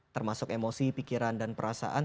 termasuk emosi pikiran dan perasaan